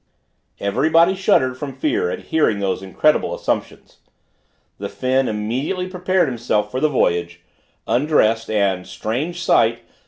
Everybody shuddered from fear at hearing these incredible assumptions. The Finn immediately prepared himself for the voyage, undressed, and, strange sight!